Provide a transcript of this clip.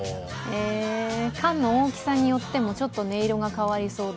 缶の大きさによっても、ちょっと音色が変わりそうで。